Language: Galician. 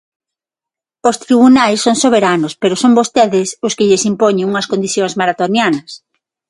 Os tribunais son soberanos, pero son vostedes os que lles impoñen unhas condicións maratonianas.